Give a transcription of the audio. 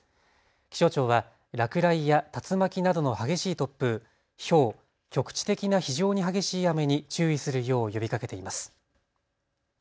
気象庁は落雷や竜巻などの激しい突風、ひょう、局地的な非常に激しい雨に注意するよう呼びかけています。